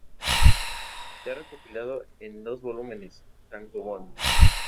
Se ha recopilado en dos volúmenes "tankōbon".